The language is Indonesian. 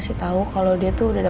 mama pulang dulu ya